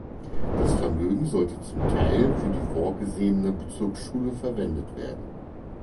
Das Vermögen sollte zum Teil für die vorgesehene Bezirksschule verwendet werden.